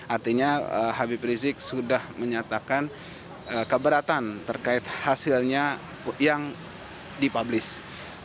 artinya habib rizik sudah menyatakan keberatan terkait hasilnya yang dipublish